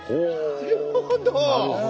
なるほど。